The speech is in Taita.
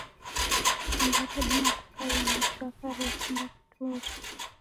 Shimba radima kukaia na chwaka rekumba kiture.